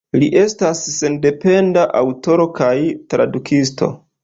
Li estas sendependa aŭtoro kaj tradukisto.